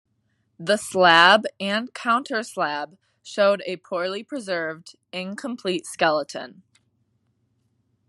The slab and counterslab showed a poorly preserved, incomplete skeleton.